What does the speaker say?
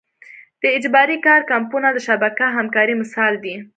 د اجباري کار کمپونه د شبکه همکارۍ مثال دی.